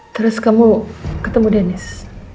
terus kamu ketemu dennis